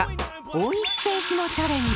大西選手のチャレンジ